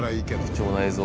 貴重な映像。